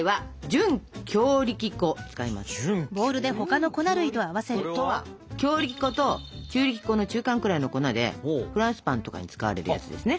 準強力粉とは強力粉と中力粉の中間くらいの粉でフランスパンとかに使われるやつですね。